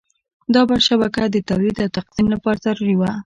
دا شبکه د تولید او تقسیم لپاره ضروري وه.